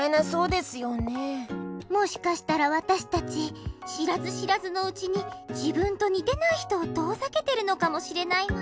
もしかしたらわたしたちしらずしらずのうちにじぶんとにてないひとをとおざけてるのかもしれないわね。